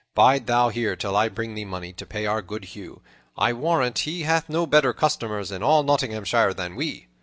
Bide thou here till I bring thee money to pay our good Hugh. I warrant he hath no better customers in all Nottinghamshire than we."